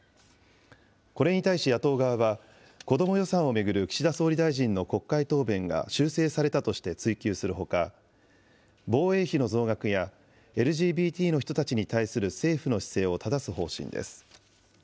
これに対し野党側は、子ども予算を巡る岸田総理大臣の国会答弁が修正されたとして追及するほか、防衛費の増額や、ＬＧＢＴの人たちに対する政府の姿勢をただす方針です。